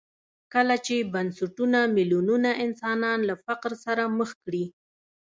کله چې بنسټونه میلیونونه انسانان له فقر سره مخ کړي.